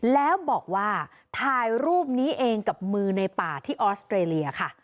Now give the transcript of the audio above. แล้วบอกว่าถ่ายรูปนี้เองกับมือในป่าที่ออสเตรเลียค่ะ